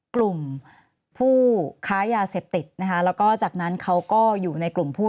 กลุ่มผู้ค้ายาเสพติดนะคะแล้วก็จากนั้นเขาก็อยู่ในกลุ่มผู้